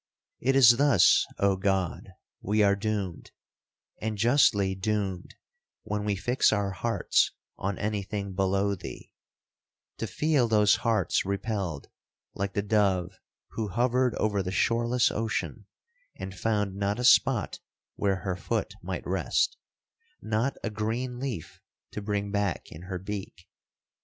'It is thus, Oh God! we are doomed (and justly doomed when we fix our hearts on any thing below thee) to feel those hearts repelled like the dove who hovered over the shoreless ocean, and found not a spot where her foot might rest,—not a green leaf to bring back in her beak.